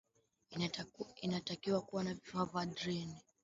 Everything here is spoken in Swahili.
unatakiwa kuwa na vifaa vya ardhini